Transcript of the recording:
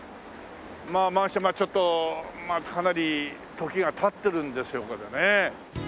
まあマンションがちょっとかなり時が経ってるんでしょうけどね。